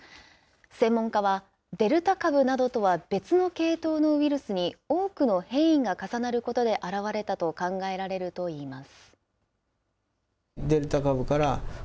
専門家は、デルタ株などとは別の系統のウイルスに多くの変異が重なることで現れたと考えられるといいます。